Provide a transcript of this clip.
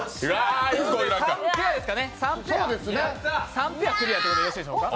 ３ペアクリアということでよろしいでしょうか。